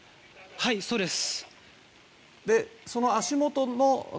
はい、そうです。